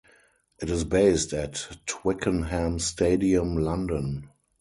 It is based at Twickenham Stadium, London.